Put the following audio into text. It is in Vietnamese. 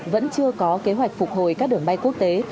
vẫn chưa có kế hoạch phục hồi các đường bay quốc tế